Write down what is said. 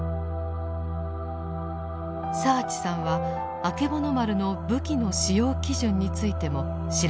澤地さんはあけぼの丸の武器の使用基準についても調べています。